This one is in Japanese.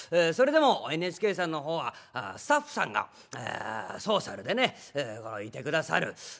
それでもＮＨＫさんの方はスタッフさんがソーシャルでねいてくださる。